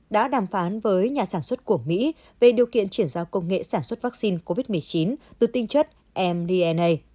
đã đàm phán với nhà sản xuất của mỹ về điều kiện chuyển giao công nghệ sản xuất vaccine covid một mươi chín từ tinh chất mdna